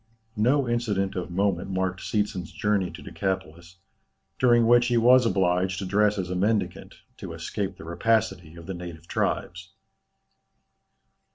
No incident of moment marked Seetzen's journey to Decapolis, during which he was obliged to dress as a mendicant, to escape the rapacity of the native tribes.